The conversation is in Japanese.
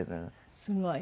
すごい。